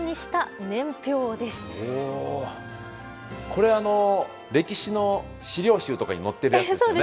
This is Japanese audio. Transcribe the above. これ歴史の資料集とかに載っているやつですよね。